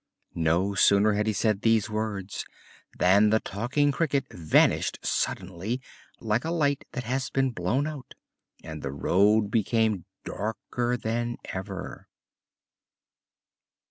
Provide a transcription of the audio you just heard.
No sooner had he said these words than the Talking Cricket vanished suddenly like a light that has been blown out, and the road became darker than ever.